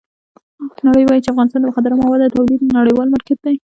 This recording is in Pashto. نړۍ وایي چې افغانستان د مخدره موادو د تولید نړیوال مارکېټ دی.